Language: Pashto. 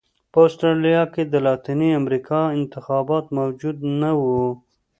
په اسټرالیا کې د لاتینې امریکا انتخاب موجود نه و.